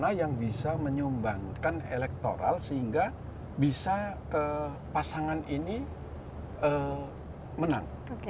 mana yang bisa menyumbangkan elektoral sehingga bisa pasangan ini menang